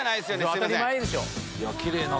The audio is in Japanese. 当たり前でしょ。